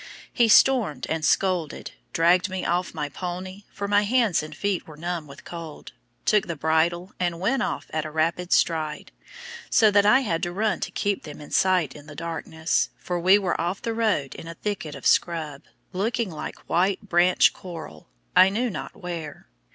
He stormed and scolded, dragged me off the pony for my hands and feet were numb with cold took the bridle, and went off at a rapid stride, so that I had to run to keep them in sight in the darkness, for we were off the road in a thicket of scrub, looking like white branch coral, I knew not where.